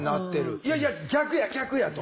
いやいや逆や逆やと。